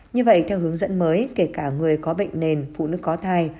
như vậy theo hướng dẫn mới kể cả người có bệnh nền phụ nữ có thai